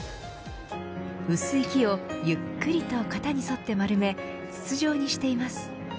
薄い木をゆっくりと型に沿って丸め筒状にしています。